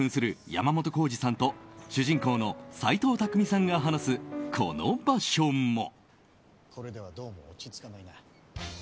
山本耕史さんと主人公の斎藤工さんが話すこの場所も。